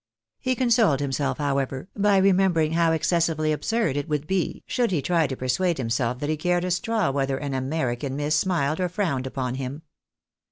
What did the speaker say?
He consoled himself, however, by remembering how excessively absurd it would be, should he try to persuade himself that he cared a straw whether an American miss smiled or frowned upon him.